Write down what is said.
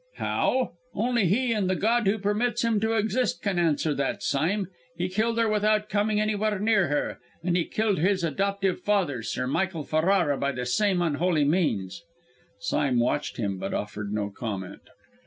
"How? Only he and the God who permits him to exist can answer that, Sime. He killed her without coming anywhere near her and he killed his adoptive father, Sir Michael Ferrara, by the same unholy means!" Sime watched him, but offered no comment.